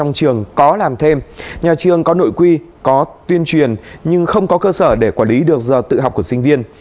trong trường có làm thêm nhà trường có nội quy có tuyên truyền nhưng không có cơ sở để quản lý được giờ tự học của sinh viên